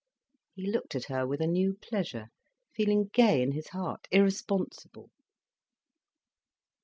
He looked at her with a new pleasure, feeling gay in his heart, irresponsible.